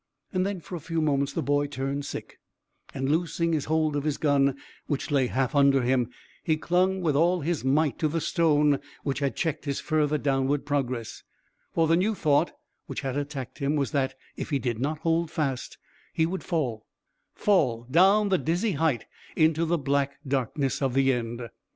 And then for a few moments the boy turned sick, and loosing his hold of his gun, which lay half under him, he clung with all his might to the stone which had checked his further downward progress; for the new thought which had attacked him was that if he did not hold fast he would fall fall down the dizzy height into the black darkness of the end.